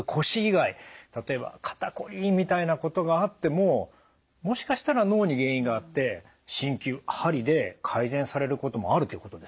例えば「肩こり」みたいなことがあってももしかしたら脳に原因があって鍼灸鍼で改善されることもあるっていうことですか？